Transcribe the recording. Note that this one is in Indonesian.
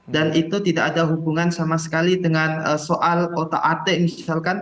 dan itu tidak ada hubungan sama sekali dengan soal kota ate misalkan